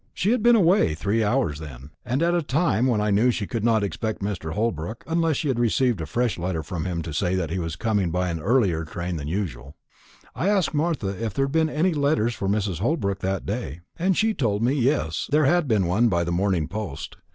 She had been away three hours then, and at a time when I knew she could not expect Mr. Holbrook, unless she had received a fresh letter from him to say that he was coming by an earlier train than usual. I asked Martha if there had been any letters for Mrs. Holbrook that day; and she told me yes, there had been one by the morning post.